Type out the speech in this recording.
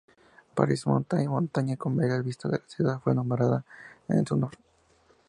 Paris Mountain, montaña con bellas vistas de la ciudad fue nombrada en su honor.